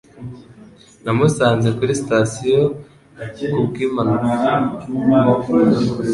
Namusanze kuri sitasiyo ku bw'impanuka.